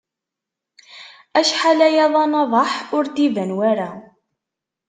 Acḥal aya d anaḍeḥ, ur d-iban wara.